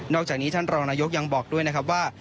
อกจากนี้ท่านรองนายกยังบอกด้วยนะครับว่า